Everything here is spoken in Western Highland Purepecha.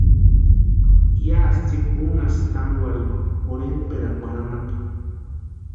Yásï tsïpa únasti tánkwarhikwa Jorhenkwarhikwarhu anapu.